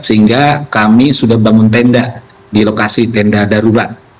sehingga kami sudah bangun tenda di lokasi tenda darurat